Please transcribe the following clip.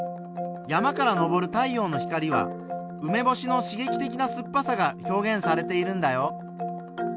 山からのぼる太陽の光はうめぼしのしげき的な酸っぱさが表現されているんだよ。